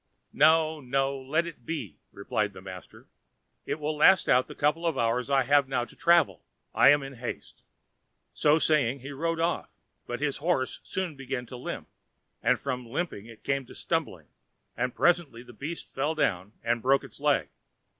"No, no, let it be!" replied the master; "it will last out the couple of hours that I have now to travel; I am in haste." So saying he rode off; but his horse soon began to limp, and from limping it came to stumbling, and presently the beast fell down and broke its leg.